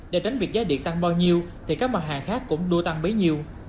để tránh việc giá điện tăng bao nhiêu thì các mặt hàng khác cũng đua tăng bấy nhiêu